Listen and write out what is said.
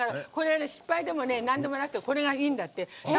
失敗でもなんでもなくてこれでいいんだって。